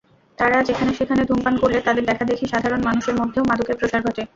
তাঁরা যেখানে–সেখানে ধূমপান করলে, তাঁদের দেখাদেখি সাধারণ মানুষের মধ্যেও মাদকের প্রসার ঘটে।